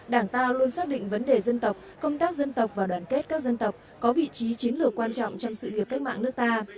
đảng ta luôn xác định vấn đề dân tộc công tác dân tộc và đoàn kết các dân tộc có vị trí chiến lược quan trọng trong sự nghiệp cách mạng nước ta